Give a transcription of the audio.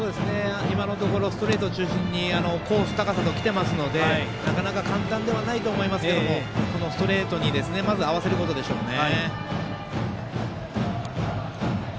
今のところストレート中心にコース、高さときていますのでなかなか簡単ではないと思いますけどストレートにまず合わせることでしょうね。